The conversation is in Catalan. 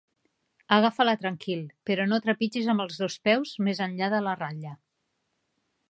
Agafa-la tranquil, però no trepitgis amb els dos peus més enllà de la ratlla.